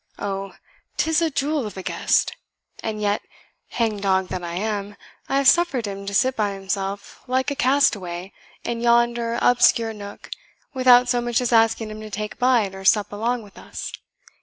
Oh, 'tis a jewel of a guest! and yet, hang dog that I am, I have suffered him to sit by himself like a castaway in yonder obscure nook, without so much as asking him to take bite or sup along with us.